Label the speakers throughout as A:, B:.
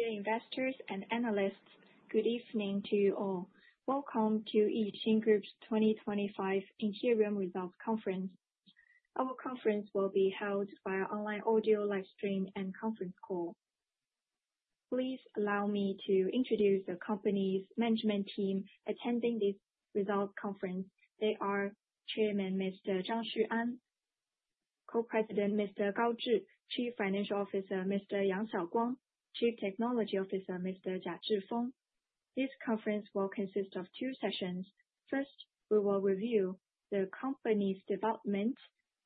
A: Dear investors and analysts, good evening to you all. Welcome to YIXIN Group 2025 Interim Results Conference. Our conference will be held via online audio livestream and conference call. Please allow me to introduce the Company's management team attending this results conference. They are Chairman Mr. Zhang Xuan, Co-President Mr. Gao Zhi, Chief Financial Officer Mr. Yang Xiaoguang, and Chief Technology Officer Mr. Jia Zhifeng. This conference will consist of two sessions. First, we will review the Company's development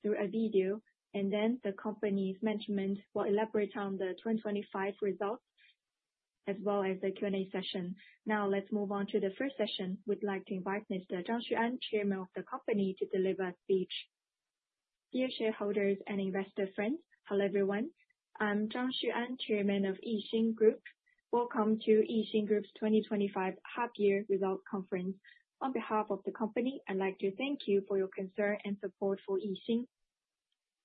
A: through a video, and then the Company's management will elaborate on the 2025 results, as well as the Q&A session. Now, let's move on to the first session. We'd like to invite Mr. Zhang Xuan, Chairman of the Company, to deliver a speech.
B: Dear shareholders and investor friends, hello everyone. I'm Zhang Xuan, Chairman of YIXIN Group. Welcome to YIXIN Group 2025 Half-Year Results Conference. On behalf of the company, I'd like to thank you for your concern and support for YIXIN.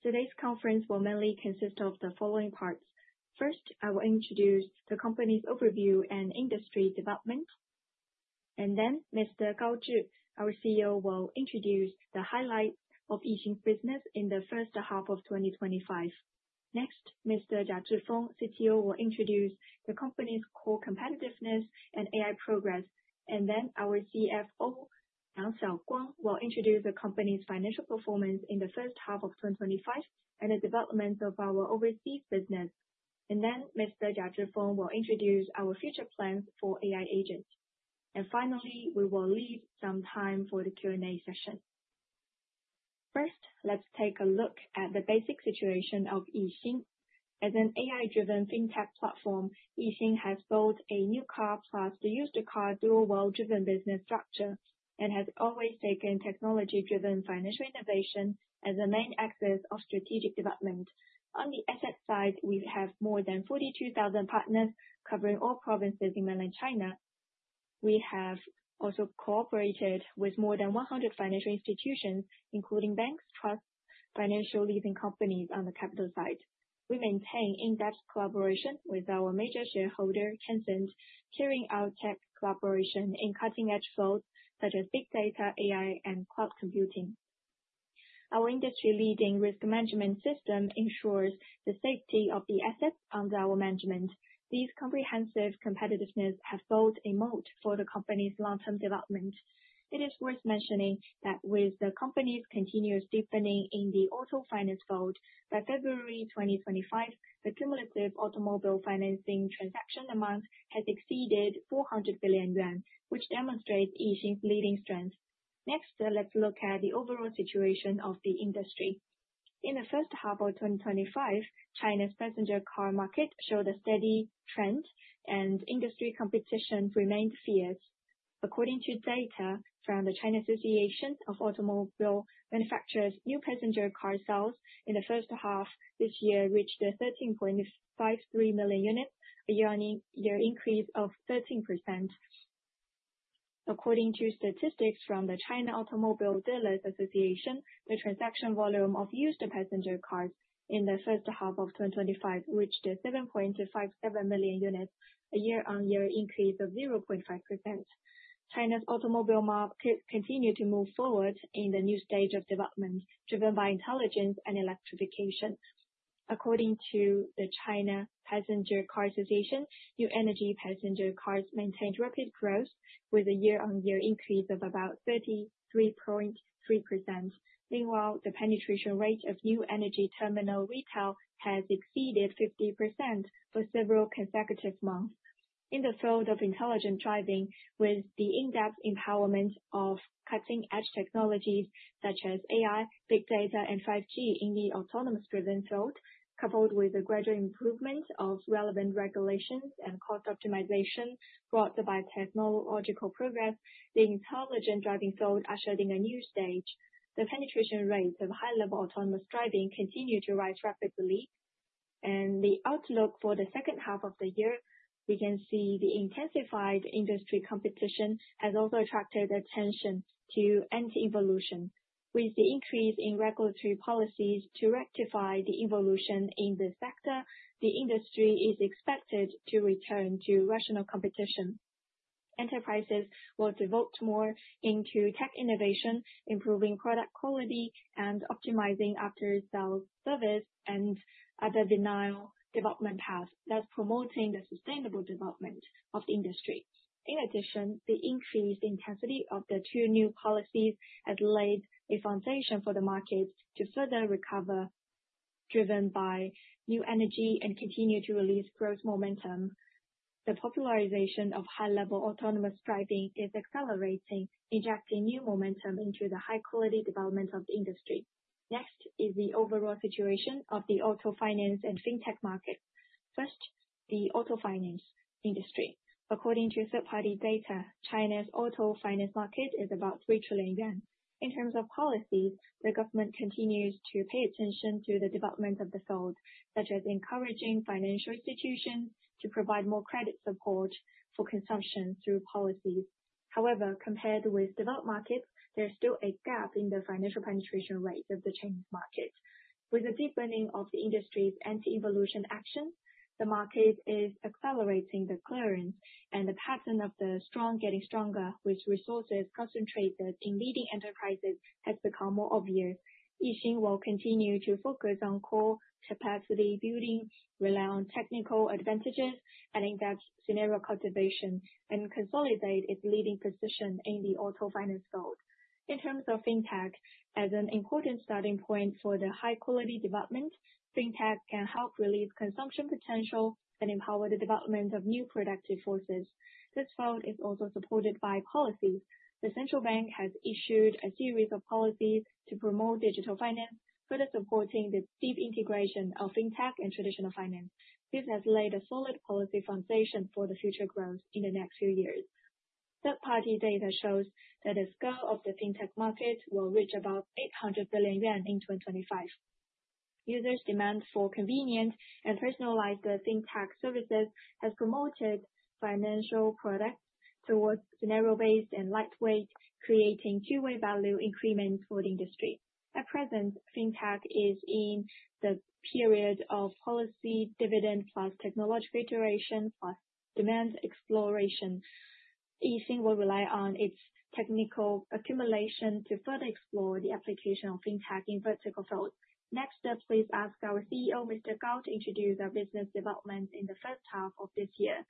B: Today's conference will mainly consist of the following parts. First, I will introduce the company's overview and industry development. Next, Mr. Gao Zhi, our CEO, will introduce the highlights of YIXIN's business in the first half of 2025. Next, Mr. Jia Zhifeng, CTO, will introduce the company's core competitiveness and AI progress. Our CFO, Yang Xiaoguang, will introduce the company's financial performance in the first half of 2025 and the development of our overseas business. Mr. Jia Zhifeng will introduce our future plans for AI agents. Finally, we will leave some time for the Q&A session. First, let's take a look at the basic situation of YIXIN. As an AI-driven fintech platform, YIXIN has built a new car plus to use the car's dual-wall driven business structure and has always taken technology-driven financial innovation as the main axis of strategic development. On the asset side, we have more than 42,000 partners covering all provinces in mainland China. We have also cooperated with more than 100 financial institutions, including banks, trusts, and financial leasing companies on the capital side. We maintain in-depth collaboration with our major shareholder, Tencent, carrying out tech collaboration in cutting-edge fields such as big data, AI, and cloud computing. Our industry-leading risk management system ensures the safety of the assets under our management. This comprehensive competitiveness has built a moat for the company's long-term development. It is worth mentioning that with the company's continuous deepening in the auto finance field, by February 2025, the cumulative automobile financing transaction amount has exceeded 400 billion yuan, which demonstrates YIXIN's leading strength. Next, let's look at the overall situation of the industry. In the first half of 2025, China's passenger car market showed a steady trend, and industry competition remained fierce. According to data from the China Association of Automobile Manufacturers, new passenger car sales in the first half of this year reached 13.53 million units, a year-on-year increase of 13%. According to statistics from the China Automobile Dealers Association, the transaction volume of used passenger cars in the first half of 2025 reached 7.57 million units, a year-on-year increase of 0.5%. China's automobile market continues to move forward in the new stage of development, driven by intelligence and electrification. According to the China Passenger Car Association, new energy passenger cars maintained rapid growth, with a year-on-year increase of about 33.3%. Meanwhile, the penetration rate of new energy terminal retail has exceeded 50% for several consecutive months. In the field of intelligent driving, with the in-depth empowerment of cutting-edge technologies such as AI, big data, and 5G in the autonomous-driven field, coupled with the gradual improvement of relevant regulations and cost optimization brought by technological progress, the intelligent driving field ushered in a new stage. The penetration rates of high-level autonomous driving continue to rise rapidly. The outlook for the second half of the year shows the intensified industry competition has also attracted attention to energy evolution. With the increase in regulatory policies to rectify the evolution in this sector, the industry is expected to return to rational competition. Enterprises will devote more into tech innovation, improving product quality and optimizing after-sales service and other denial development paths, thus promoting the sustainable development of the industry. In addition, the increased intensity of the two new policies has laid a foundation for the market to further recover, driven by new energy and continue to release growth momentum. The popularization of high-level autonomous driving is accelerating, injecting new momentum into the high-quality development of the industry. Next is the overall situation of the auto finance and fintech market. First, the auto finance industry. According to third-party data, China's auto finance market is about 3 trillion yuan. In terms of policies, the government continues to pay attention to the development of the field, such as encouraging financial institutions to provide more credit support for consumption through policies. However, compared with the developed markets, there's still a gap in the financial penetration rate of the Chinese market. With the deepening of the industry's anti-evolution action, the market is accelerating the clearance, and the pattern of the strong getting stronger with resources concentrated in leading enterprises has become more obvious. YIXIN will continue to focus on core capacity building, rely on technical advantages, and in-depth scenario cultivation, and consolidate its leading position in the auto finance field. In terms of fintech, as an important starting point for the high-quality development, fintech can help relieve consumption potential and empower the development of new productive forces. This field is also supported by policies. The central bank has issued a series of policies to promote digital finance, further supporting the deep integration of fintech and traditional finance. This has laid a solid policy foundation for the future growth in the next few years. Third-party data shows that the scale of the fintech market will reach about 800 billion yuan in 2025. Users' demand for convenient and personalized fintech services has promoted financial products towards scenario-based and lightweight, creating two-way value increments for the industry. At present, fintech is in the period of policy dividend plus technological iteration plus demand exploration. YIXIN will rely on its technical accumulation to further explore the application of fintech in the vertical field. Next, please ask our CEO, Mr. Gao, to introduce our business development in the first half of this year.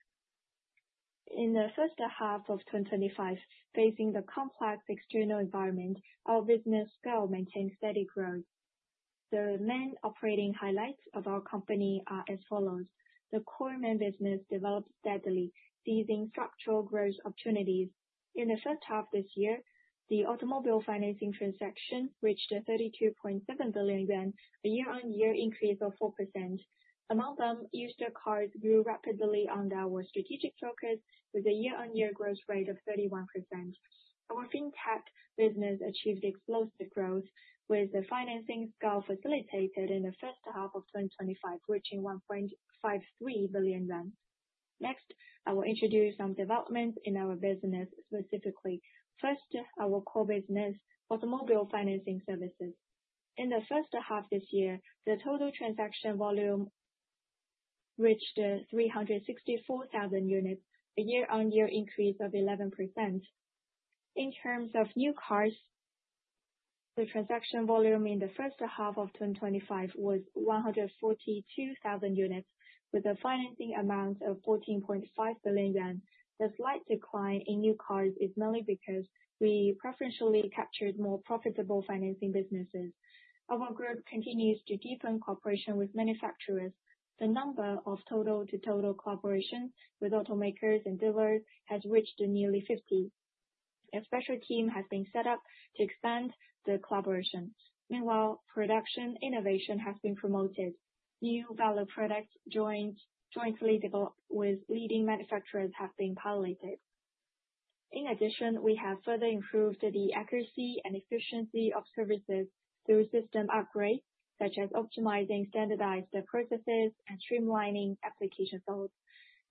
C: In the first half of 2025, facing the complex external environment, our business scale maintained steady growth. The main operating highlights of our company are as follows: the core main business developed steadily, seizing structural growth opportunities. In the first half of this year, the automobile financing transaction reached 32.7 billion yuan, a year-on-year increase of 4%. Among them, used cars grew rapidly under our strategic focus, with a year-on-year growth rate of 31%. Our fintech business achieved explosive growth, with the financing scale facilitated in the first half of 2025, reaching 1.53 billion yuan. Next, I will introduce some developments in our business specifically. First, our core business, automobile financing services. In the first half of this year, the total transaction volume reached 364,000 units, a year-on-year increase of 11%. In terms of new cars, the transaction volume in the first half of 2025 was 142,000 units, with a financing amount of 14.5 billion yuan. The slight decline in new cars is mainly because we preferentially captured more profitable financing businesses. Our growth continues to deepen cooperation with manufacturers. The number of total-to-total collaborations with automakers and dealers has reached nearly 50. A special team has been set up to expand the collaboration. Meanwhile, production innovation has been promoted. New value products jointly developed with leading manufacturers have been piloted. In addition, we have further improved the accuracy and efficiency of services through system upgrades, such as optimizing standardized processes and streamlining application flows.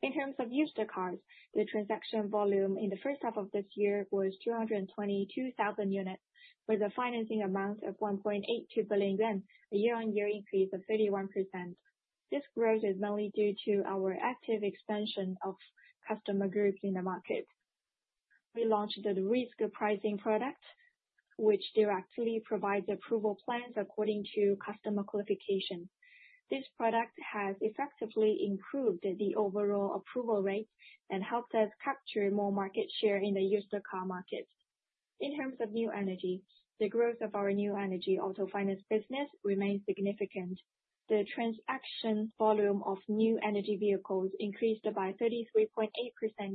C: In terms of used cars, the transaction volume in the first half of this year was 222,000 units, with a financing amount of 1.82 billion yuan, a year-on-year increase of 31%. This growth is mainly due to our active expansion of customer groups in the market. We launched the risk pricing product, which directly provides approval plans according to customer qualification. This product has effectively improved the overall approval rate and helped us capture more market share in the used car market. In terms of new energy, the growth of our new energy auto finance business remains significant. The transaction volume of new energy vehicles increased by 33.8%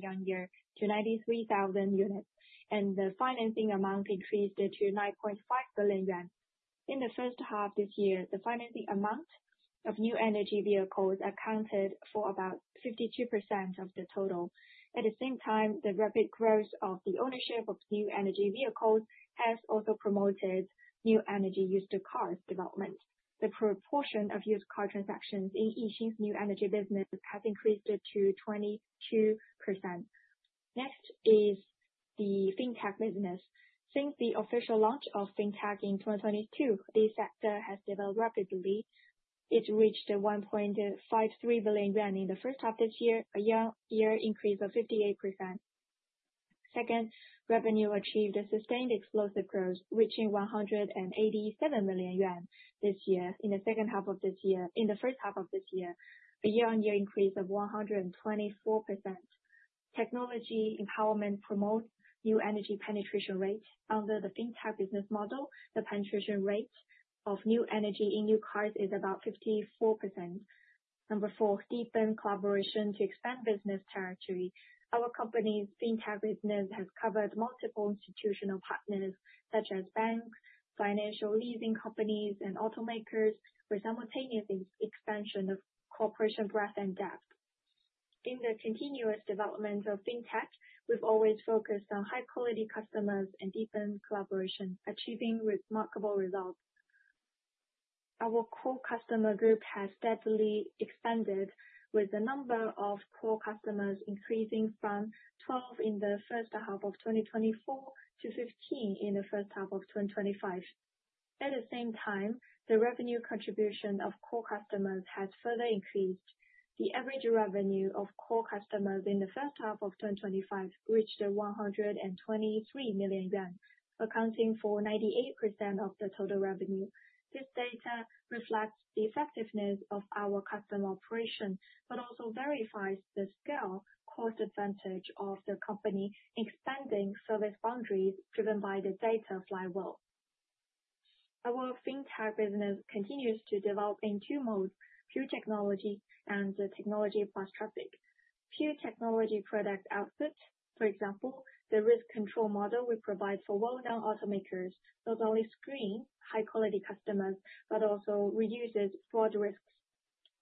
C: year-on-year to 93,000 units, and the financing amount increased to 9.5 billion yuan. In the first half of this year, the financing amount of new energy vehicles accounted for about 52% of the total. At the same time, the rapid growth of the ownership of new energy vehicles has also promoted new energy used cars development. The proportion of used car transactions in YIXIN's new energy business has increased to 22%. Next is the fintech business. Since the official launch of fintech in 2022, this sector has developed rapidly. It reached 1.53 billion yuan in the first half of this year, a year-on-year increase of 58%. Second, revenue achieved a sustained explosive growth, reaching 187 million yuan this year in the second half of this year. In the first half of this year, a year-on-year increase of 124%. Technology empowerment promotes new energy penetration rates. Under the fintech business model, the penetration rate of new energy in new cars is about 54%. Number four, deepen collaboration to expand business territory. Our company's fintech business has covered multiple institutional partners, such as banks, financial leasing companies, and automakers, with simultaneous expansion of corporation growth and gaps. In the continuous development of fintech, we've always focused on high-quality customers and deepened collaboration, achieving remarkable results. Our core customer group has steadily expanded, with the number of core customers increasing from 12 in the first half of 2024 to 15 in the first half of 2025. At the same time, the revenue contribution of core customers has further increased. The average revenue of core customers in the first half of 2025 reached 123 million yuan, accounting for 98% of the total revenue. This data reflects the effectiveness of our customer operations, but also verifies the scale course advantage of the company in expanding service boundaries driven by the data flywheel. Our fintech business continues to develop in two modes: pure technology and technology plus traffic. Pure technology product output, for example, the risk control model we provide for well-known automakers not only screens high-quality customers, but also reduces fraud risks.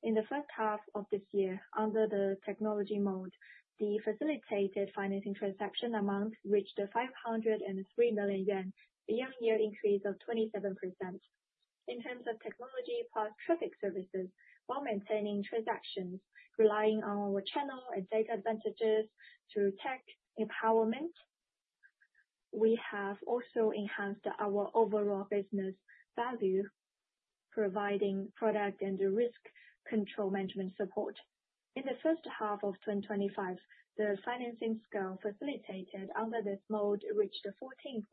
C: In the first half of this year, under the technology mode, the facilitated financing transaction amount reached 503 million yuan, a year-on-year increase of 27%. In terms of technology plus traffic services, while maintaining transactions, relying on our channel and data advantages through tech empowerment, we have also enhanced our overall business value, providing product and risk control management support. In the first half of 2025, the financing scale facilitated under this mode reached 14.8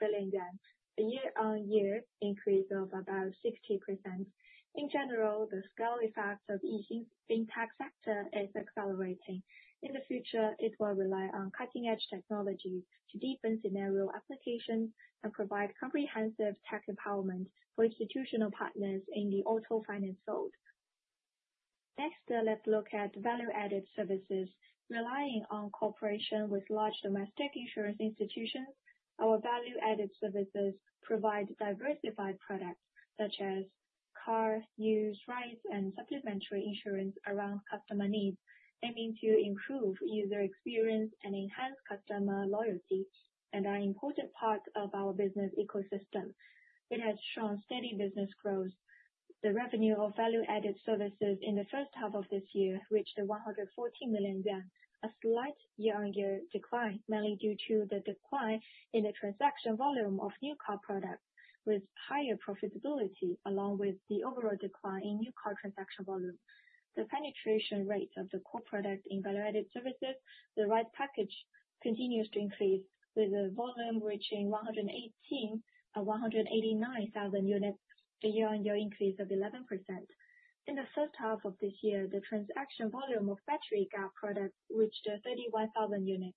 C: billion yuan, a year-on-year increase of about 60%. In general, the scale effect of the fintech sector is accelerating. In the future, it will rely on cutting-edge technologies to deepen scenario applications and provide comprehensive tech empowerment for institutional partners in the auto finance field. Next, let's look at value-added services. Relying on cooperation with large domestic insurance institutions, our value-added services provide diversified products, such as cars, news, rides, and supplementary insurance around customer needs, aiming to improve user experience and enhance customer loyalty, and are an important part of our business ecosystem. It has shown steady business growth. The revenue of value-added services in the first half of this year reached 114 million yuan, a slight year-on-year decline, mainly due to the decline in the transaction volume of new car products, with higher profitability, along with the overall decline in new car transaction volume. The penetration rate of the core product in value-added services, the right package, continues to increase, with the volume reaching 118,000 or 189,000 units, a year-on-year increase of 11%. In the first half of this year, the transaction volume of battery car products reached 31,000 units,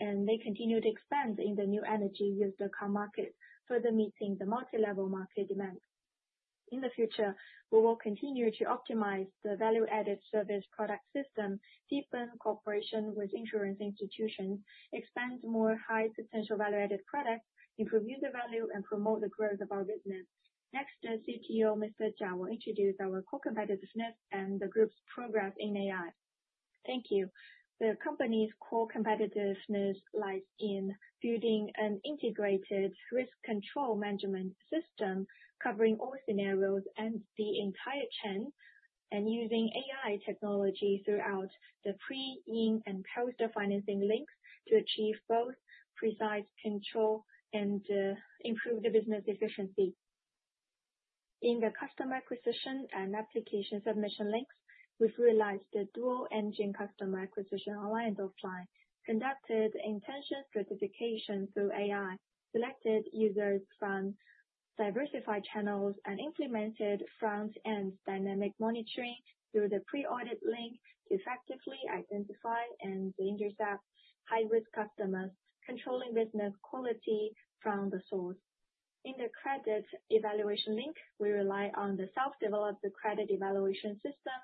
C: and they continue to expand in the new energy used car market, further meeting the market-level market demand. In the future, we will continue to optimize the value-added service product system, deepen cooperation with insurance institutions, expand more high-potential value-added products, improve user value, and promote the growth of our business. Next, the Chief Technology Officer, Mr. Jia, will introduce our core competitiveness and the group's progress in AI. Thank you. The company's core competitiveness lies in building an integrated risk control management system covering all scenarios and the entire chain, and using AI technology throughout the pre-, in, and post-financing links to achieve both precise control and improve the business efficiency. In the customer acquisition and application submission links, we've realized the dual-engine customer acquisition online and offline, conducted intention certification through AI, selected users from diversified channels, and implemented front-end dynamic monitoring through the pre-audit link to effectively identify and intercept high-risk customers, controlling business quality from the source. In the credit evaluation link, we rely on the self-developed credit evaluation system.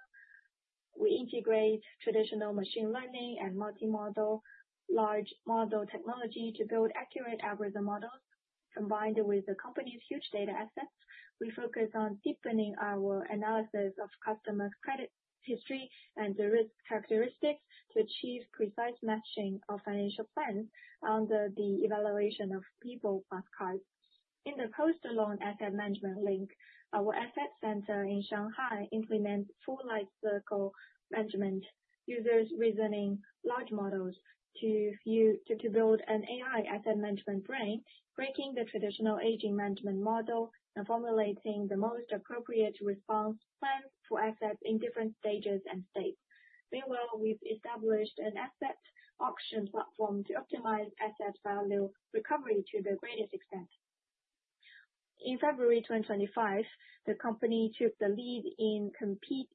C: We integrate traditional machine learning and multimodal large model technology to build accurate algorithm models. Combined with the company's huge data assets, we focus on deepening our analysis of customers' credit history and the risk characteristics to achieve precise matching of financial plans under the evaluation of people plus cars. In the post-loan asset management link, our asset center in Shanghai implements full life-cycle management, using large models to build an AI asset management brain, breaking the traditional aging management model and formulating the most appropriate response plan for assets in different stages and states. Meanwhile, we've established an asset auction platform to optimize asset value recovery to the greatest extent. In February 2025, the company took the lead in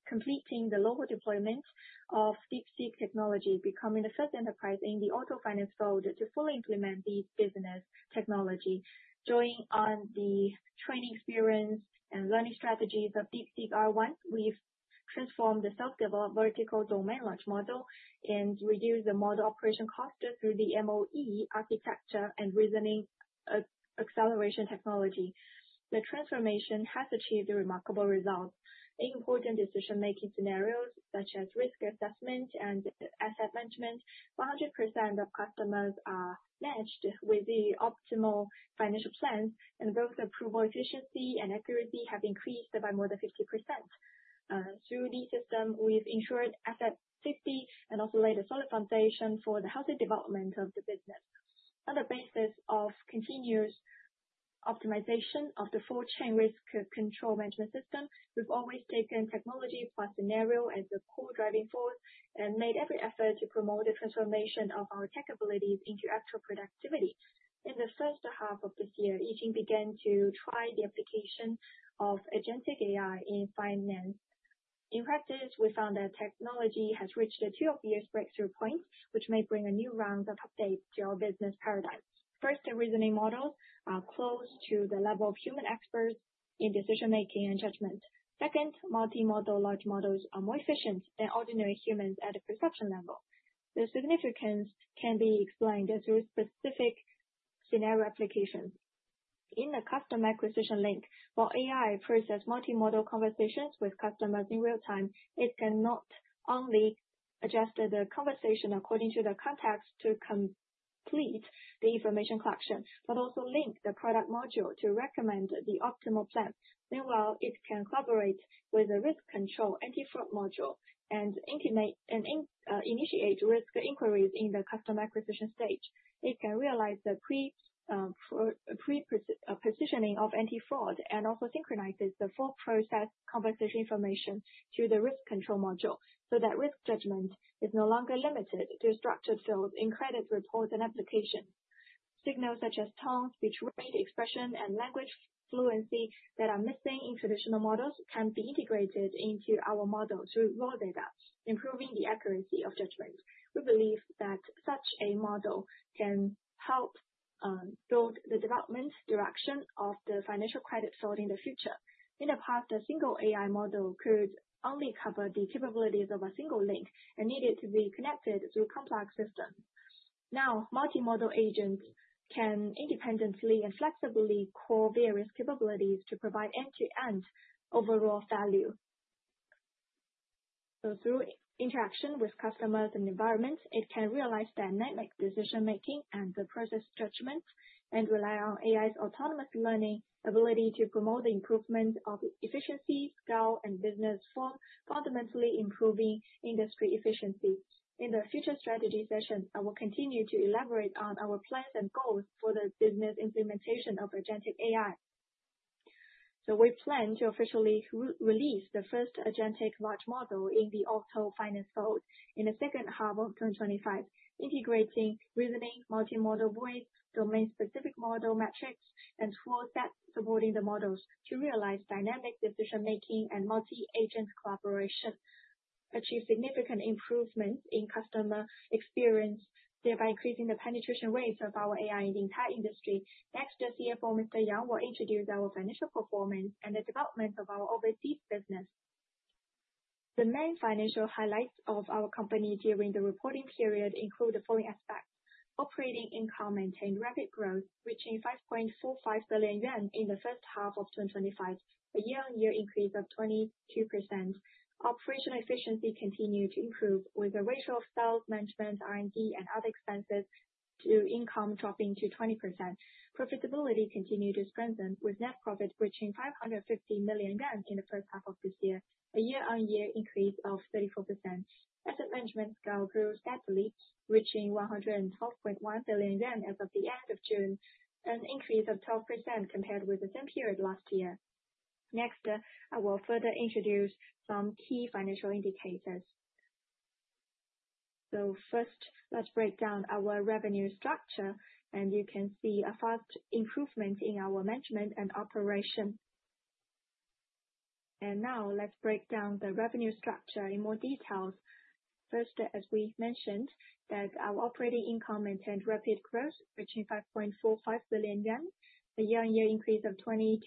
C: completing the local deployment of DeepSeek technology, becoming the first enterprise in the auto finance field to fully implement the business technology. During the training experience and learning strategies of DeepSeek-R1, we've transformed the self-developed vertical domain launch model and reduced the model operation cost through the MOE architecture and reasoning acceleration technology. The transformation has achieved a remarkable result. In important decision-making scenarios, such as risk assessment and asset management, 100% of customers are matched with the optimal financial plans, and both approval efficiency and accuracy have increased by more than 50%. Through the system, we've ensured asset safety and also laid a solid foundation for the healthy development of the business. On the basis of continuous optimization of the four-chain risk control management system, we've always taken technology plus scenario as the core driving force and made every effort to promote the transformation of our tech abilities into extra productivity. In the first half of this year, YIXIN began to try the application of Agentic AI in finance. In practice, we found that technology has reached a two-year breakthrough point, which may bring a new round of updates to our business paradigm. First, the reasoning models are close to the level of human experts in decision-making and judgment. Second, multimodal large models are more efficient than ordinary humans at a perception level. Their significance can be explained through specific scenario applications. In the customer acquisition link, while AI processes multimodal conversations with customers in real time, it cannot only adjust the conversation according to the context to complete the information collection, but also link the product module to recommend the optimal plan. Meanwhile, it can collaborate with the risk control anti-fraud module and initiate risk inquiries in the customer acquisition stage. It can realize the pre-positioning of anti-fraud and also synchronizes the full process conversation information to the risk control module so that risk judgment is no longer limited to structured fields in credit reports and applications. Signals such as tone, speech rate, expression, and language fluency that are missing in traditional models can be integrated into our model through raw data, improving the accuracy of this rate. We believe that such a model can help build the development direction of the financial credit field in the future. In the past, a single AI model could only cover the capabilities of a single link and needed to be connected through complex systems. Now, multimodal agents can independently and flexibly call various capabilities to provide end-to-end overall value. Through interaction with customers and environments, it can realize dynamic decision-making and process judgment and rely on AI's autonomous learning ability to promote the improvement of efficiency, scale, and business form, fundamentally improving industry efficiency. In the future strategy session, I will continue to elaborate on our plans and goals for the business implementation of Agentic AI. We plan to officially release the first Agentic large model in the auto finance field in the second half of 2025, integrating reasoning, multimodal voice, domain-specific model metrics, and small steps supporting the models to realize dynamic decision-making and multi-agent collaboration, achieve significant improvement in customer experience, thereby increasing the penetration rates of our AI in the entire industry. Next, the CFO, Mr. Yang, will introduce our financial performance and the development of our overseas business.
D: The main financial highlights of our company during the reporting period include the following aspects. Operating income maintained rapid growth, reaching 5.45 billion yuan in the first half of 2025, a year-on-year increase of 22%. Operational efficiency continued to improve, with a ratio of sales management, R&D, and other expenses to income dropping to 20%. Profitability continued to strengthen, with net profit reaching 550 million yuan in the first half of this year, a year-on-year increase of 34%. Asset management scale grew steadily, reaching 112.1 billion yuan as of the end of June, an increase of 12% compared with the same period last year. Next, I will further introduce some key financial indicators. First, let's break down our revenue structure, and you can see a fast improvement in our management and operation. Now, let's break down the revenue structure in more detail. First, as we mentioned, our operating income maintained rapid growth, reaching RMB 5.45 billion, a year-on-year increase of 22%.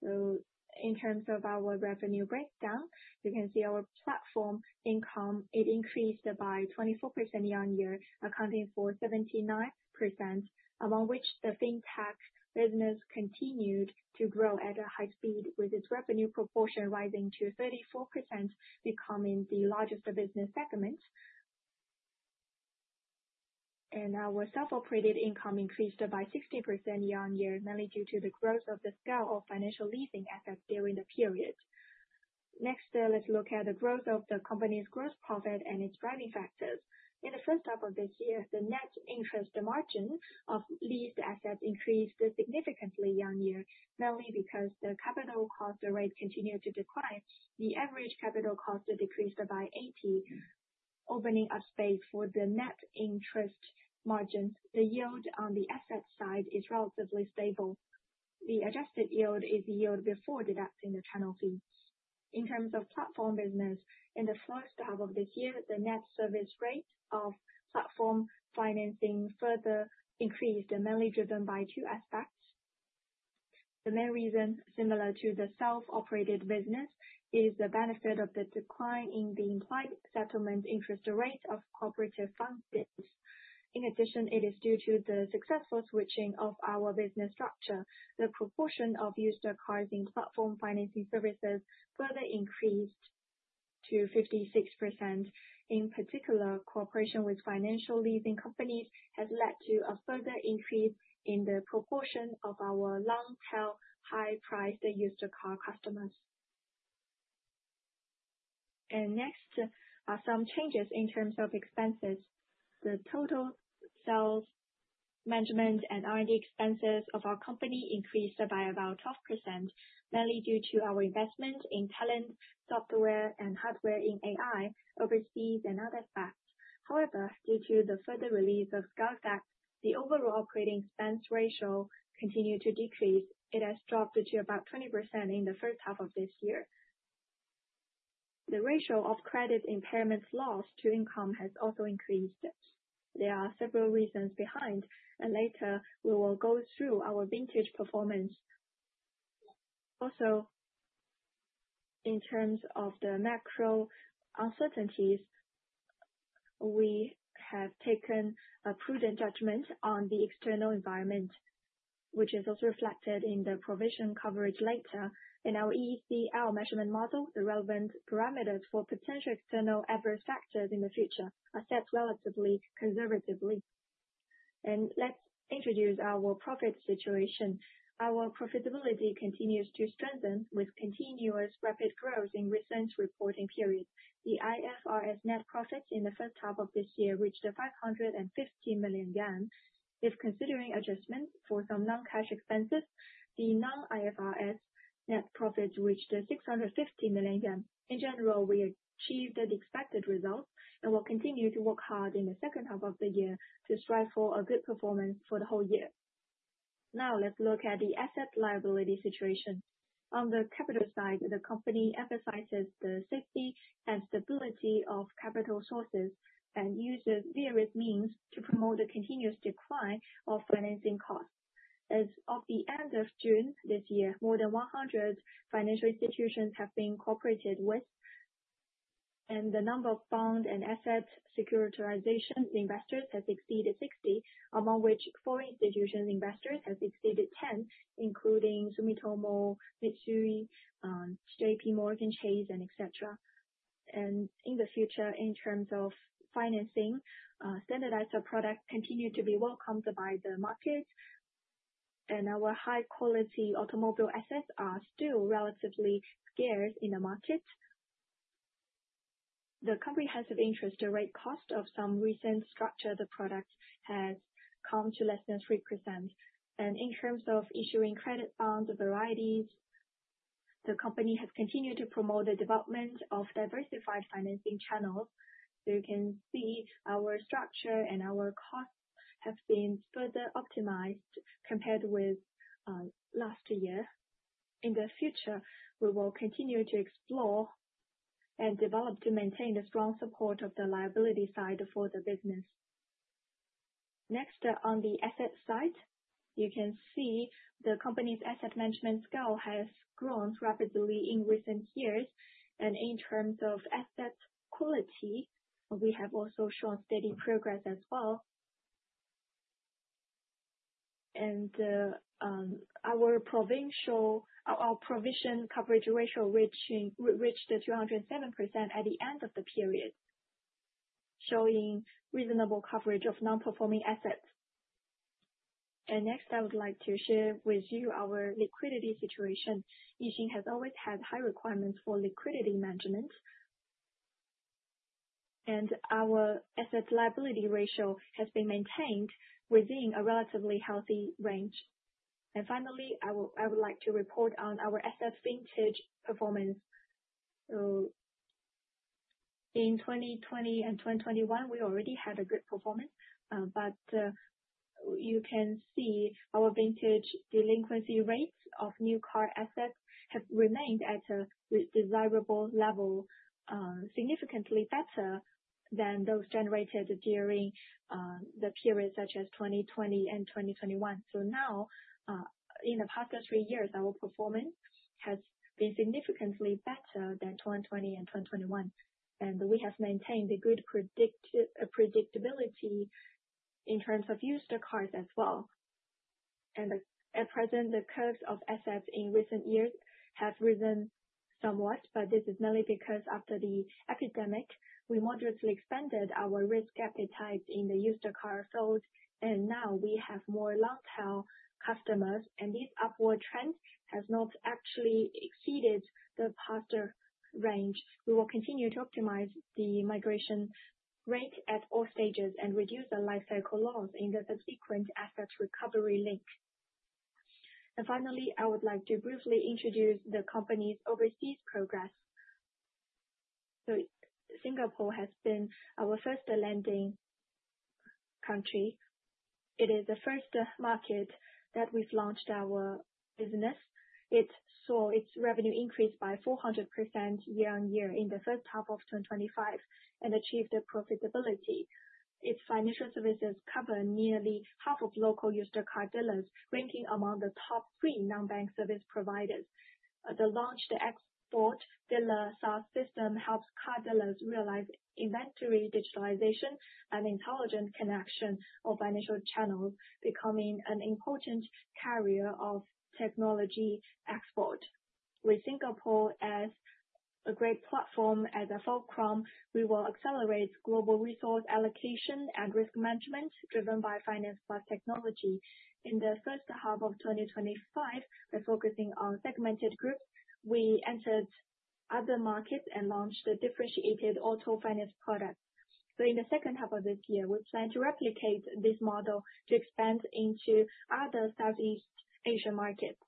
D: In terms of our revenue breakdown, you can see our platform income increased by 24% year-on-year, accounting for 79%, among which the fintech business continued to grow at a high speed, with its revenue proportion rising to 34%, becoming the largest business segment. Our self-operated income increased by 16% year-on-year, mainly due to the growth of the scale of financial leasing assets during the period. Next, let's look at the growth of the company's gross profit and its value factors. In the first half of this year, the net interest margin of leased assets increased significantly year-on-year, mainly because the capital cost rate continued to decline. The average capital cost decreased by 80, opening up space for the net interest margin. The yield on the asset side is relatively stable. The adjusted yield is the yield before deducting the channel fee. In terms of platform business, in the first half of this year, the net service rate of platform financing further increased, mainly driven by two aspects. The main reason, similar to the self-operated business, is the benefit of the decline in the implied settlement interest rate of cooperative funds. In addition, it is due to the successful switching of our business structure. The proportion of used cars in platform financing services further increased to 56%. In particular, cooperation with financial leasing companies has led to a further increase in the proportion of our long-tail, high-priced used car customers. Next are some changes in terms of expenses. The total sales, management, and R&D expenses of our company increased by about 12%, mainly due to our investments in talent, software, and hardware in AI, overseas, and other factors. However, due to the further release of scale factors, the overall operating expense ratio continued to decrease. It has dropped to about 20% in the first half of this year. The ratio of credit impairments lost to income has also increased. There are several reasons behind, and later we will go through our vintage performance. Also, in terms of the macro uncertainties, we have taken a prudent judgment on the external environment, which is also reflected in the provision coverage later. In our ECL measurement model, the relevant parameters for potential external adverse factors in the future are set relatively conservatively. Let's introduce our profit situation. Our profitability continues to strengthen with continuous rapid growth in recent reporting periods. The IFRS net profits in the first half of this year reached RMB 515 million. If considering adjustment for some non-cash expenses, the non-IFRS net profits reached RMB 650 million. In general, we achieved the expected result and will continue to work hard in the second half of the year to strive for a good performance for the whole year. Now, let's look at the asset liability situation. On the capital side, the company emphasizes the safety and stability of capital sources and uses various means to promote the continuous decline of financing costs. As of the end of June this year, more than 100 financial institutions have been cooperated with, and the number of bond and asset securitization investors has exceeded 60, among which foreign institution investors have exceeded 10, including Sumitomo Mitsui, JP Morgan Chase, and et cetera. In the future, in terms of financing, standardized products continue to be welcomed by the market, and our high-quality automobile assets are still relatively scarce in the market. The comprehensive interest rate cost of some recent structured products has come to less than 3%. In terms of issuing credit bond varieties, the company has continued to promote the development of diversified financing channels. You can see our structure and our costs have been further optimized compared with last year. In the future, we will continue to explore and develop to maintain the strong support of the liability side for the business. Next, on the asset side, you can see the company's asset management scale has grown rapidly in recent years, and in terms of asset quality, we have also shown steady progress as well. Our provision coverage ratio reached 207% at the end of the period, showing reasonable coverage of non-performing assets. Next, I would like to share with you our liquidity situation. YIXIN has always had high requirements for liquidity management, and our asset liability ratio has been maintained within a relatively healthy range. Finally, I would like to report on our asset vintage performance. In 2020 and 2021, we already had a good performance, but you can see our vintage delinquency rates of new car assets have remained at a desirable level, significantly better than those generated during the periods such as 2020 and 2021. Now, in the past three years, our performance has been significantly better than 2020 and 2021, and we have maintained a good predictability in terms of used cars as well. At present, the curves of assets in recent years have risen somewhat, but this is mainly because after the epidemic, we moderately expanded our risk appetite in the used car field, and now we have more long-tail customers, and these upward trends have not actually exceeded the past range. We will continue to optimize the migration rate at all stages and reduce the lifecycle loss in the subsequent asset recovery link. Finally, I would like to briefly introduce the company's overseas progress. Singapore has been our first landing country. It is the first market that we've launched our business. It saw its revenue increase by 400% year-on-year in the first half of 2025 and achieved profitability. Its financial services cover nearly half of local used car dealers, ranking among the top three non-bank service providers. The launched export dealer SaaS system helps car dealers realize inventory digitalization and intelligent connection of financial channels, becoming an important carrier of technology export. With Singapore as a great platform, as a fulcrum, we will accelerate global resource allocation and risk management driven by finance plus technology. In the first half of 2025, we're focusing on segmented groups. We entered other markets and launched a differentiated auto finance product. In the second half of this year, we plan to replicate this model to expand into other Southeast Asian markets.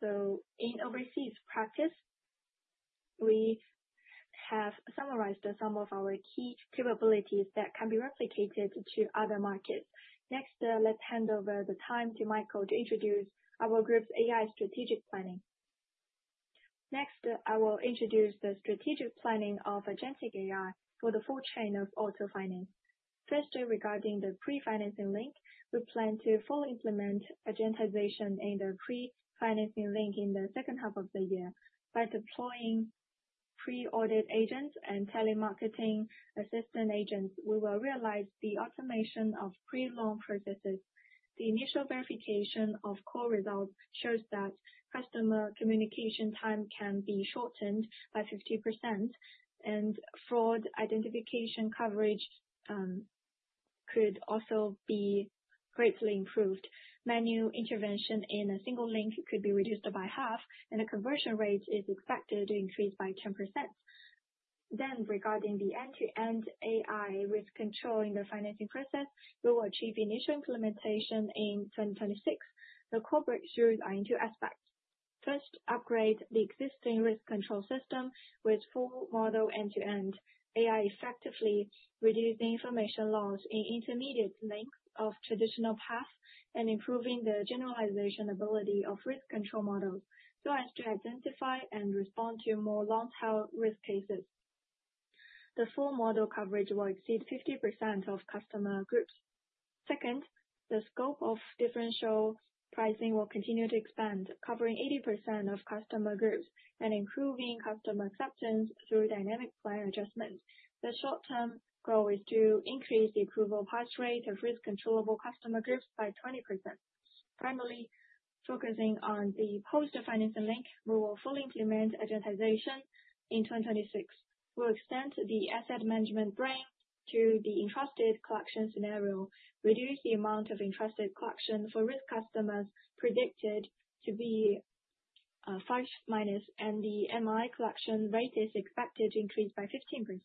D: In overseas practice, we have summarized some of our key capabilities that can be replicated to other markets. Next, let's hand over the time to [Michael] to introduce our group's AI strategic planning. Next, I will introduce the strategic planning of Agentic AI for the full chain of auto finance. First, regarding the pre-financing link, we plan to fully implement agentization in the pre-financing link in the second half of the year. By deploying pre-audit agents and telemarketing assistant agents, we will realize the automation of pre-launch purchases. The initial verification of core results shows that customer communication time can be shortened by 50%, and fraud identification coverage could also be greatly improved. Manual intervention in a single link could be reduced by half, and the conversion rate is expected to increase by 10%. Regarding the end-to-end AI risk control in the financing process, we will achieve initial implementation in 2026. The core breakthroughs are in two aspects. First, upgrade the existing risk control system with full model end-to-end AI, effectively reducing information loss in intermediate lengths of traditional paths and improving the generalization ability of risk control models, so as to identify and respond to more long-tail risk cases. The full model coverage will exceed 50% of customer groups. Second, the scope of differential pricing will continue to expand, covering 80% of customer groups and improving customer acceptance through dynamic plan adjustments. The short-term goal is to increase the approval pass rate of risk controllable customer groups by 20%. Finally, focusing on the post-financing link, we will fully implement advertising in 2026. We'll extend the asset management brain to the entrusted collection scenario, reduce the amount of entrusted collection for risk customers predicted to be -5, and the MI collection rate is expected to increase by 15%.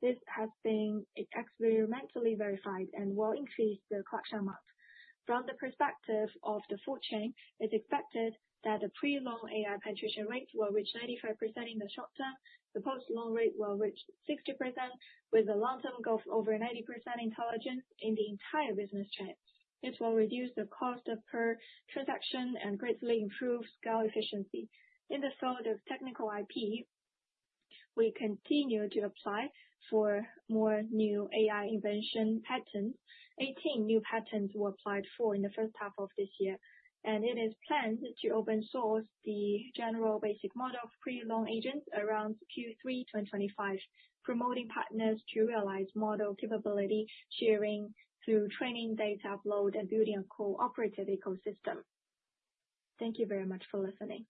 D: This has been experimentally verified and will increase the collection amount. From the perspective of the full chain, it's expected that the pre-launch AI penetration rates will reach 95% in the short term. The post-launch rate will reach 60%, with a long-term goal of over 90% intelligence in the entire business chain. This will reduce the cost per transaction and greatly improve scale efficiency. In the field of technical IP, we continue to apply for more new AI invention patents. 18 new patents were applied for in the first half of this year, and it is planned to open source the general basic model of pre-launch agents around Q3 2025, promoting partners to realize model capability, sharing through training data upload, and building a cooperative ecosystem. Thank you very much for listening.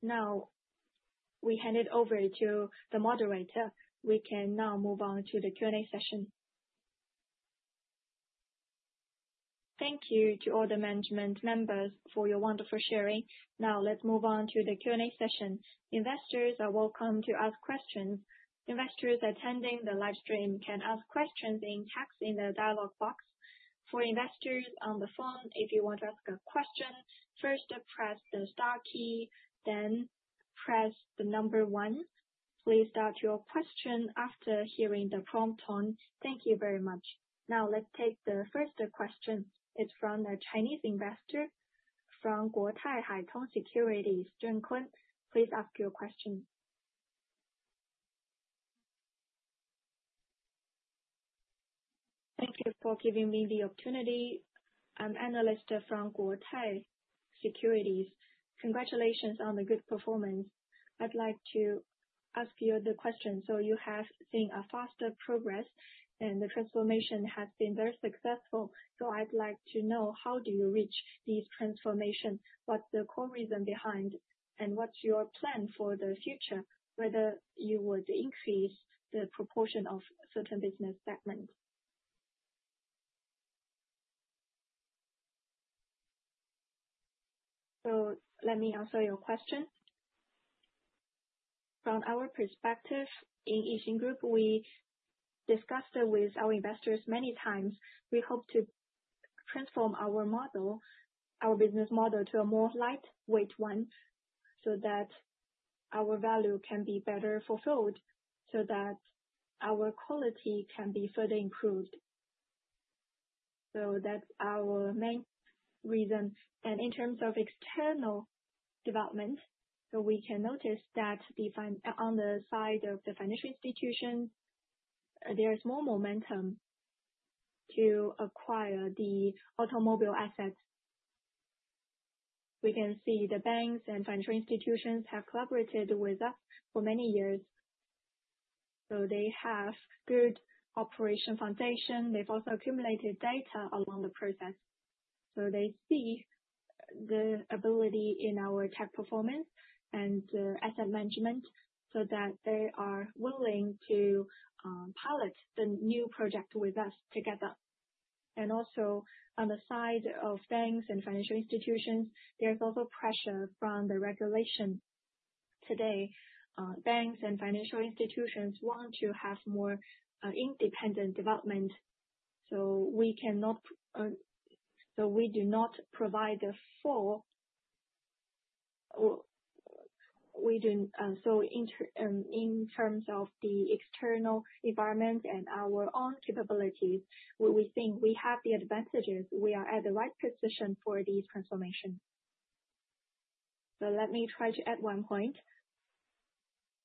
D: Now, we hand it over to the moderator. We can now move on to the Q&A session.
A: Thank you to all the management members for your wonderful sharing. Now, let's move on to the Q&A session. Investors are welcome to ask questions. Investors attending the livestream can ask questions in chats in the dialog box. For investors on the phone, if you want to ask a question, first press the star key, then press the number one. Please start your question after hearing the prompt tone. Thank you very much. Now, let's take the first question. It's from a Chinese investor from Guotai Haitong Securities. [Zheng Kun], please ask your question. Thank you for giving me the opportunity. I'm an analyst from Guotai Securities. Congratulations on the good performance. I'd like to ask you the question. You have seen a faster progress, and the transformation has been very successful. I'd like to know, how do you reach this transformation? What's the core reason behind, and what's your plan for the future? Whether you would increase the proportion of certain business segments? Let me answer your question. From our perspective in YIXIN Group, we discussed it with our investors many times. We hope to transform our model, our business model, to a more lightweight one so that our value can be better fulfilled, so that our quality can be further improved. That's our main reason. In terms of external development, we can notice that on the side of the financial institution, there is more momentum to acquire the automobile assets. We can see the banks and financial institutions have collaborated with us for many years. They have a good operation foundation. They've also accumulated data along the process. They see the ability in our tech performance and asset management so that they are willing to pilot the new project with us together. Also, on the side of banks and financial institutions, there's also pressure from the regulation. Today, banks and financial institutions want to have more independent development. We do not provide the full. In terms of the external environment and our own capabilities, we think we have the advantages. We are at the right position for this transformation. Let me try to add one point.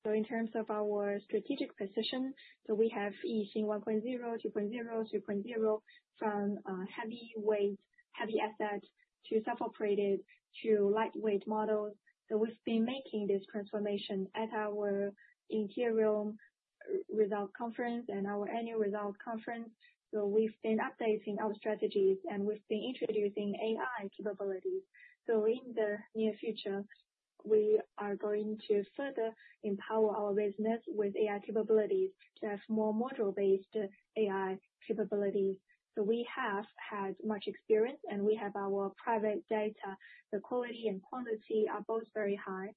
A: In terms of our strategic position, we have YIXIN 1.0, 2.0, 3.0 from heavyweight, heavy asset to self-operated to lightweight models. We've been making this transformation at our interior results conference and our annual results conference. We've been updating our strategies, and we've been introducing AI capabilities. In the near future, we are going to further empower our business with AI capabilities to have more module-based AI capabilities. We have had much experience, and we have our private data. The quality and quantity are both very high.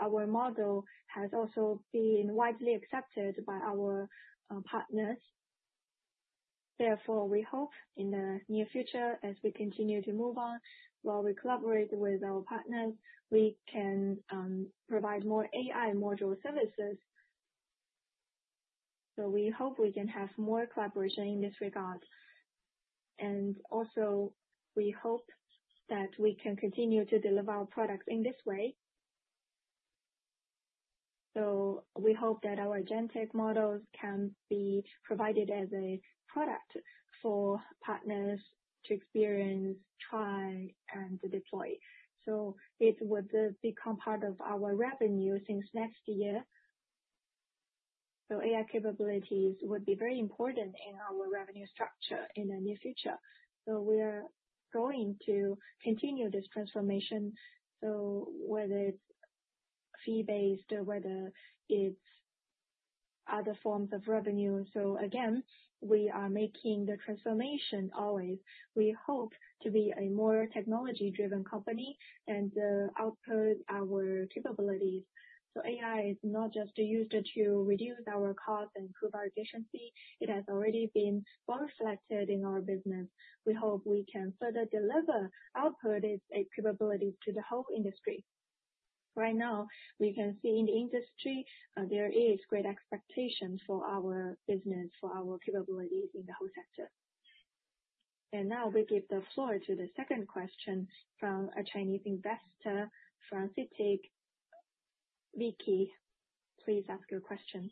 A: Our model has also been widely accepted by our partners. Therefore, we hope in the near future, as we continue to move on, while we collaborate with our partners, we can provide more AI module services. We hope we can have more collaboration in this regard. We hope that we can continue to deliver our products in this way. We hope that our Agentic models can be provided as a product for partners to experience, try, and deploy. It would become part of our revenue since last year. AI capabilities would be very important in our revenue structure in the near future. We are going to continue this transformation, whether it's fee-based or whether it's other forms of revenue. We are making the transformation always. We hope to be a more technology-driven company and output our capabilities. AI is not just used to reduce our cost and improve our efficiency. It has already been well reflected in our business. We hope we can further deliver output capabilities to the whole industry. Right now, we can see in the industry, there are great expectations for our business, for our capabilities in the whole sector. Now we give the floor to the second question from a Chinese investor from CITIC .Vicky. Please ask your question.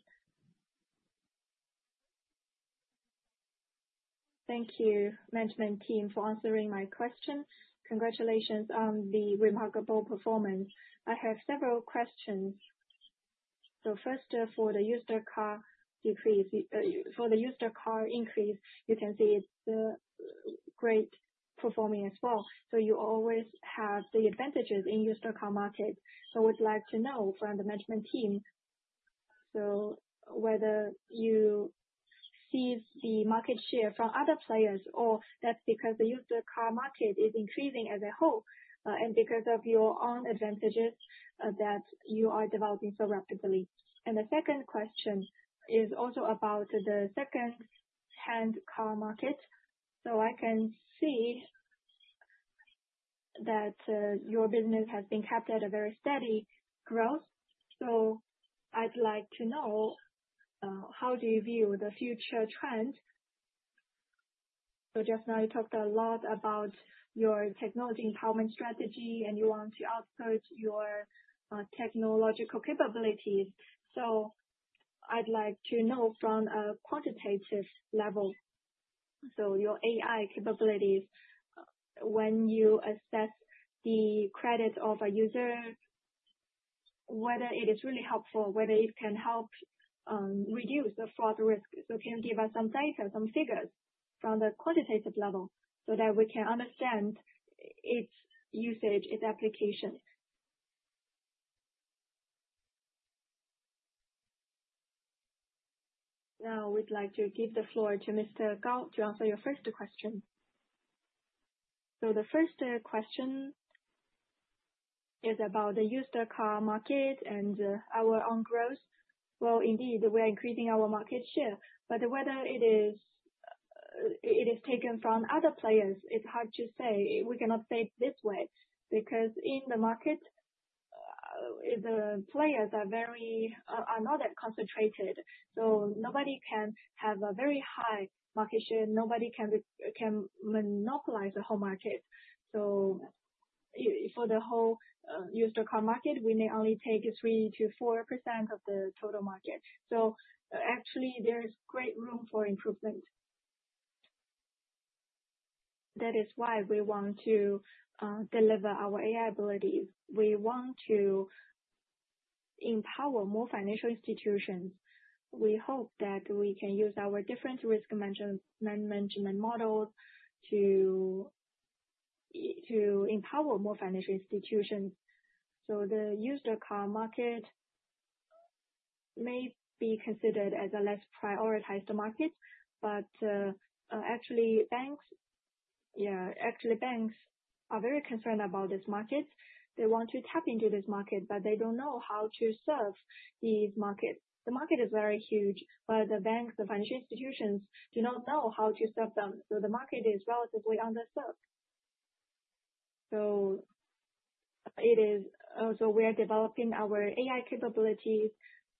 A: Thank you, management team, for answering my question. Congratulations on the remarkable performance. I have several questions. First, for the used car increase, you can see it's great performing as well. You always have the advantages in the used car market. I would like to know from the management team, whether you see the market share from other players, or that's because the used car market is increasing as a whole, and because of your own advantages that you are developing so rapidly. The second question is also about the second-hand car market. I can see that your business has been capped at a very steady growth. I'd like to know, how do you view the future trend? Just now you talked a lot about your technology empowerment strategy, and you want to upsert your technological capabilities. I'd like to know from a quantitative level. Your AI capabilities, when you assess the credit of a user, whether it is really helpful, whether it can help reduce the fraud risk. Can you give us some data, some figures from the quantitative level so that we can understand its usage, its application? Now, we'd like to give the floor to Mr. Gao to answer your first question.
C: The first question is about the used car market and our own growth. Indeed, we're increasing our market share. Whether it is taken from other players, it's hard to say. We cannot say it this way because in the market, the players are not very concentrated. Nobody can have a very high market share. Nobody can monopolize the whole market. For the whole used car market, we may only take 3% to 4% of the total market. Actually, there is great room for improvement. That is why we want to deliver our AI abilities. We want to empower more financial institutions. We hope that we can use our different risk management models to empower more financial institutions. The used car market may be considered as a less prioritized market. Actually, banks, yeah, actually banks are very concerned about this market. They want to tap into this market, but they don't know how to serve these markets. The market is very huge, but the banks, the financial institutions do not know how to serve them. The market is relatively underserved. We are developing our AI capabilities.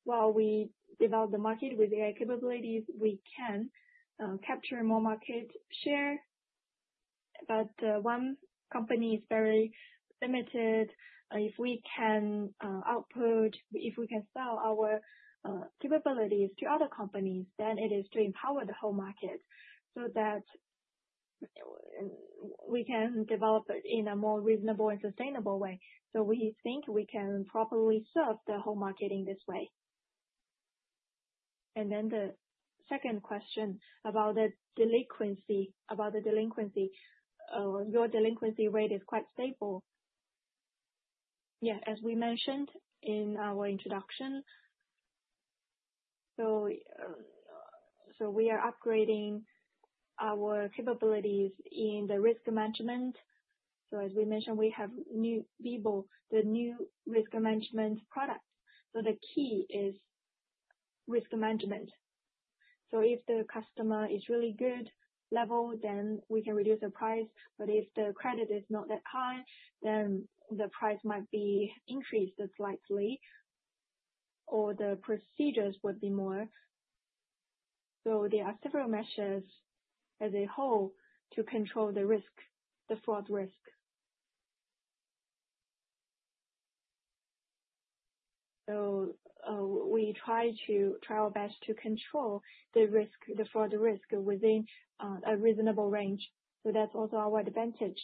C: While we develop the market with AI capabilities, we can capture more market share. One company is very limited. If we can output, if we can sell our capabilities to other companies, then it is to empower the whole market so that we can develop it in a more reasonable and sustainable way. We think we can properly serve the whole market in this way. The second question is about the delinquency. about the delinquency, your delinquency rate is quite stable. As we mentioned in our introduction, we are upgrading our capabilities in the risk management. As we mentioned, we have new [Vibo], the new risk management product. The key is risk management. If the customer is really good level, then we can reduce the price. If the credit is not that high, then the price might be increased slightly, or the procedures would be more. There are several measures as a whole to control the risk, the fraud risk. We try our best to control the risk, the fraud risk within a reasonable range. That's also our advantage.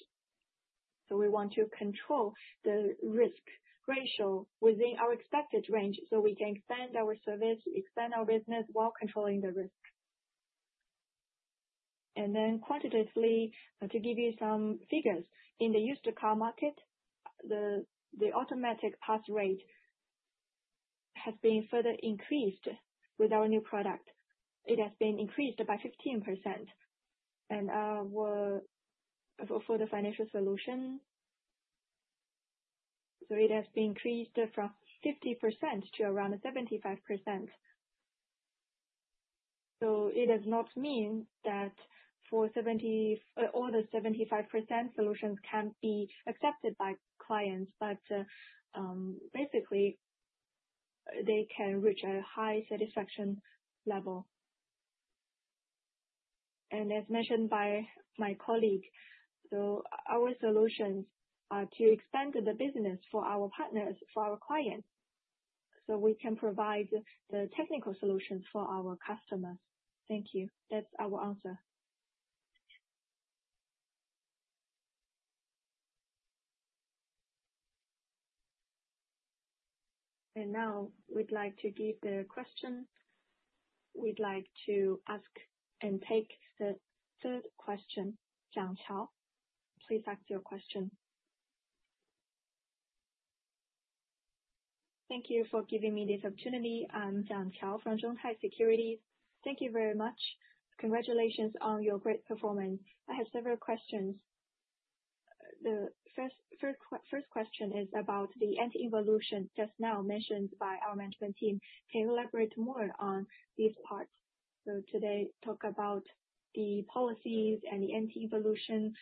C: We want to control the risk ratio within our expected range so we can expand our service, expand our business while controlling the risk. Quantitatively, to give you some figures, in the used car market, the automatic pass rate has been further increased with our new product. It has been increased by 15%. For the financial solution, it has been increased from 50% to around 75%. It does not mean that all the 75% solutions can be accepted by clients, but basically, they can reach a high satisfaction level. As mentioned by my colleague, our solutions are to expand the business for our partners and clients, so we can provide the technical solutions for our customers. Thank you. That's our answer.
A: We'd like to take the third question. [Zhang Xiao], please ask your question. Thank you for giving me this opportunity. I'm [Zhang Xiao] from Zhongtai Securities. Thank you very much. Congratulations on your great performance. I have several questions. The first question is about the anti-involution just now mentioned by our management team. Can you elaborate more on this part? Today, talk about the policies and the anti-involution.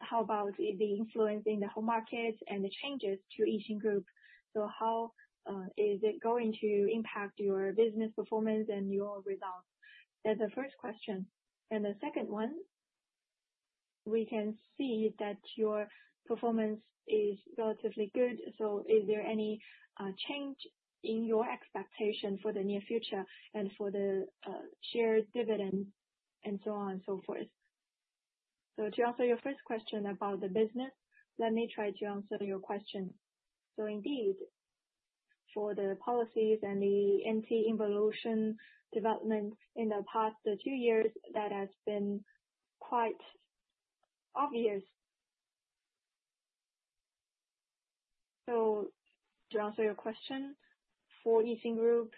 A: How about it influencing the home markets and the changes to YIXIN Group? How is it going to impact your business performance and your results? That's the first question. The second one, we can see that your performance is relatively good. Is there any change in your expectation for the near future and for the shared dividend and so on and so forth?
B: To answer your first question about the business, let me try to answer your question. Indeed, for the policies and the anti-involution development in the past two years, that has been quite obvious. To answer your question, for YIXIN Group,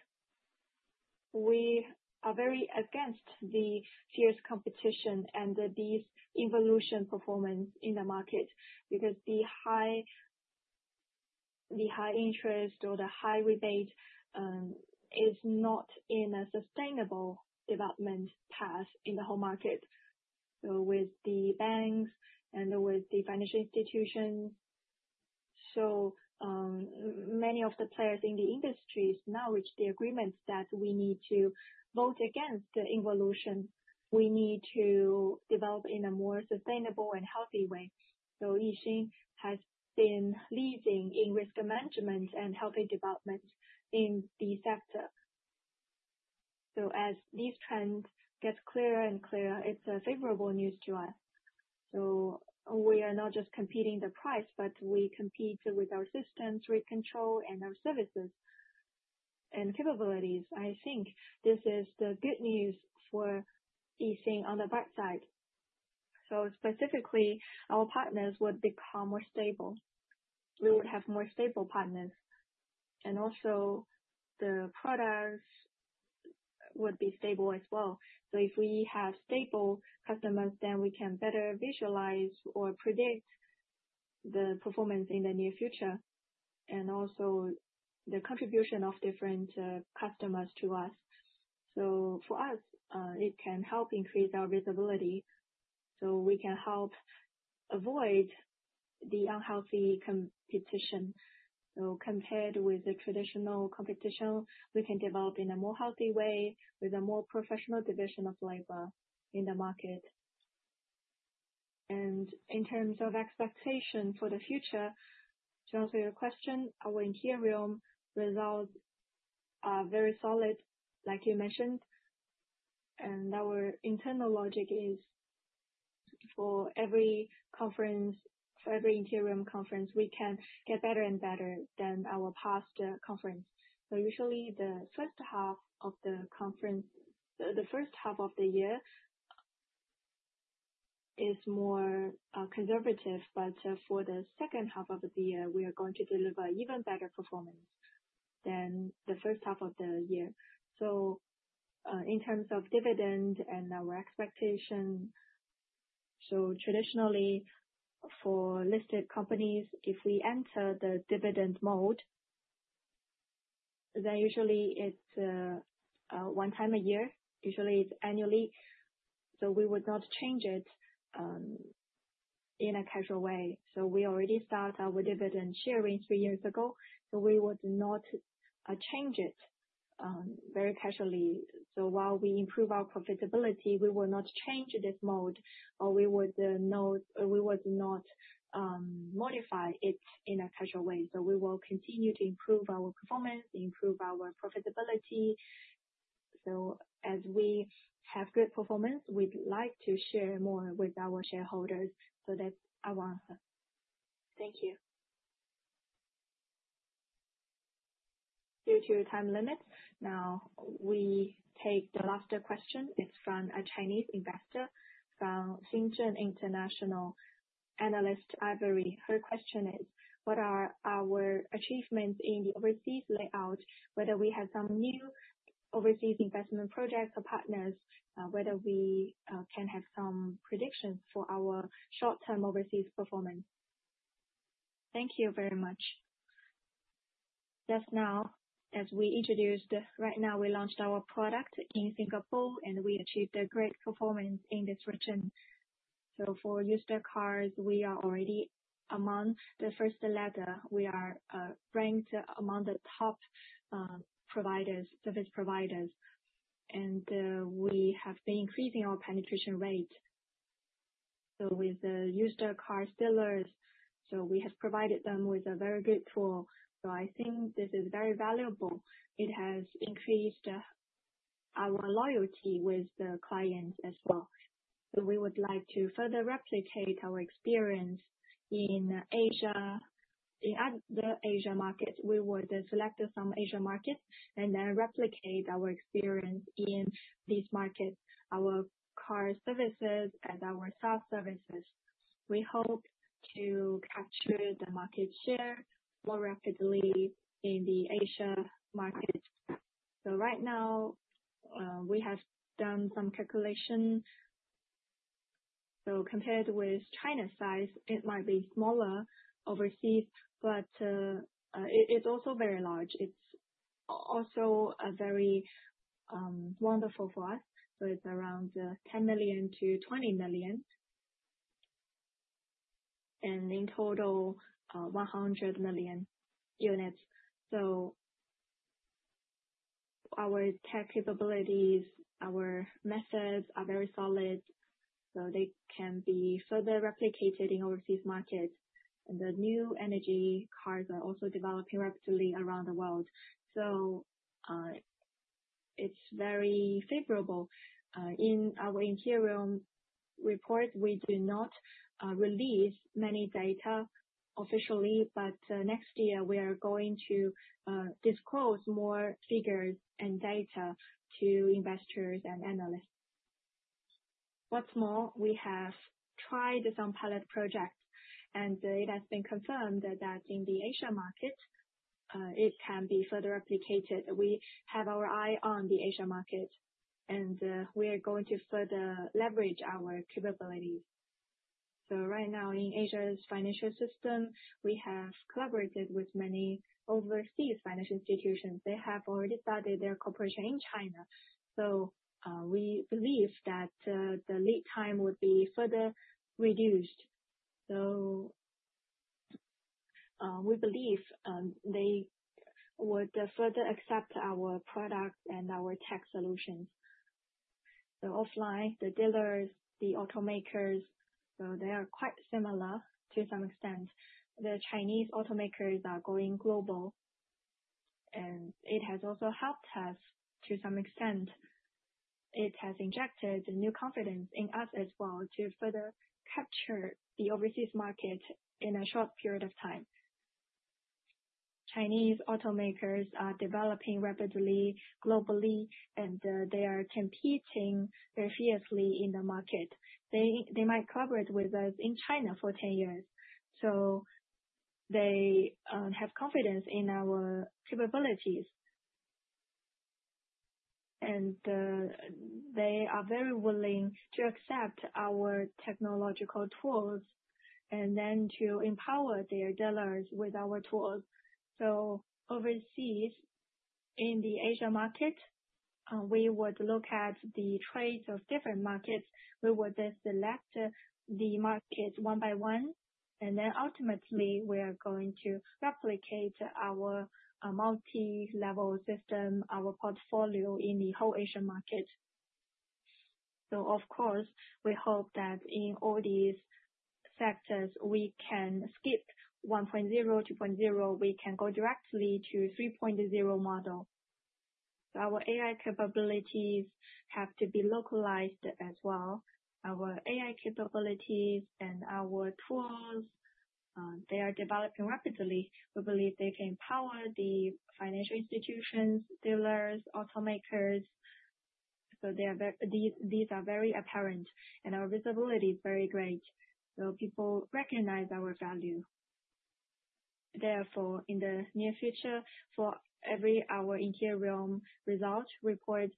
B: we are very against the fierce competition and these involution performance in the market because the high interest or the high rebate is not in a sustainable development path in the home market. With the banks and with the financial institutions, many of the players in the industry now reached the agreement that we need to vote against the involution. We need to develop in a more sustainable and healthy way. YIXIN has been leading in risk management and healthy development in the sector. As these trends get clearer and clearer, it's favorable news to us. We are not just competing the price, but we compete with our systems, rate control, and our services and capabilities. I think this is the good news for YIXIN on the backside. Specifically, our partners would become more stable. We would have more stable partners, and also, the products would be stable as well. If we have stable customers, then we can better visualize or predict the performance in the near future and also the contribution of different customers to us. For us, it can help increase our visibility. We can help avoid the unhealthy competition. Compared with the traditional competition, we can develop in a more healthy way with a more professional division of labor in the market. In terms of expectation for the future, to answer your question, our interior results are very solid, like you mentioned. Our internal logic is for every conference, for every interior conference, we can get better and better than our past conference. Usually, the first half of the conference, the first half of the year is more conservative, but for the second half of the year, we are going to deliver even better performance than the first half of the year. In terms of dividend and our expectation, traditionally, for listed companies, if we enter the dividend mode, then usually it's one time a year. Usually, it's annually. We would not change it in a casual way. We already start our dividend sharing three years ago. We would not change it very casually. While we improve our profitability, we will not change this mode, or we would not modify it in a casual way. We will continue to improve our performance, improve our profitability. As we have good performance, we'd like to share more with our shareholders. That's our answer. Thank you.
A: Due to the time limit, now we take the last question. It's from a Chinese investor from Xinchen International Analyst, Ivory. Her question is, what are our achievements in the overseas layout? Whether we have some new overseas investment projects or partners, whether we can have some predictions for our short-term overseas performance. Thank you very much. Just now, as we introduced, right now we launched our product in Singapore, and we achieved a great performance in this region. For used cars, we are already among the first ladder. We are ranked among the top service providers, and we have been increasing our penetration rate. With the used car sellers, we have provided them with a very good tool. I think this is very valuable. It has increased our loyalty with the clients as well. We would like to further replicate our experience in Asia. In other Asia markets, we would select some Asia markets and then replicate our experience in these markets, our car services and our soft services. We hope to capture the market share more rapidly in the Asia markets. Right now, we have done some calculations. Compared with China's size, it might be smaller overseas, but it's also very large. It's also very wonderful for us. It's around 10 million to 20 million. In total, 100 million units. Our tech capabilities, our methods are very solid. They can be further replicated in overseas markets. The new energy cars are also developing rapidly around the world. It's very favorable. In our interior report, we do not release many data officially, but next year, we are going to disclose more figures and data to investors and analysts. What's more, we have tried some pilot projects, and it has been confirmed that in the Asia market, it can be further replicated. We have our eye on the Asia market, and we are going to further leverage our capabilities. Right now, in Asia's financial system, we have collaborated with many overseas financial institutions. They have already started their cooperation in China. We believe that the lead time would be further reduced. We believe they would further accept our product and our tech solutions. Offline, the dealers, the automakers, they are quite similar to some extent. The Chinese automakers are going global, and it has also helped us to some extent. It has injected new confidence in us as well to further capture the overseas market in a short period of time. Chinese automakers are developing rapidly globally, and they are competing very fiercely in the market. They might collaborate with us in China for 10 years. They have confidence in our capabilities, and they are very willing to accept our technological tools and then to empower their dealers with our tools. Overseas, in the Asia market, we would look at the trades of different markets. We would just select the markets one by one, and ultimately, we are going to replicate our multi-level system, our portfolio in the whole Asian market. Of course, we hope that in all these sectors, we can skip 1.0 to 2.0. We can go directly to 3.0 model. Our AI capabilities have to be localized as well. Our AI capabilities and our tools, they are developing rapidly. We believe they can empower the financial institutions, dealers, automakers. These are very apparent, and our visibility is very great. People recognize our value. Therefore, in the near future, for every our interior results report,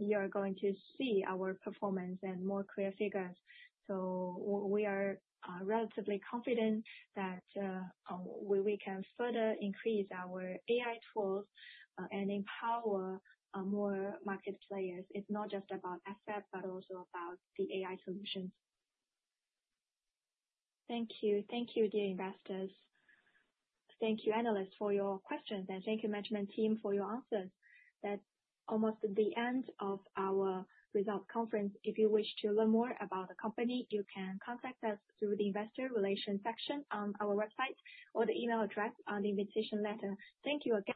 A: you are going to see our performance and more clear figures. We are relatively confident that we can further increase our AI tools and empower more market players. It's not just about assets, but also about the AI solutions. Thank you. Thank you, dear investors. Thank you, analysts, for your questions, and thank you, management team, for your answers. That's almost the end of our results conference. If you wish to learn more about the company, you can contact us through the investor relations section on our website or the email address on the invitation letter. Thank you, again.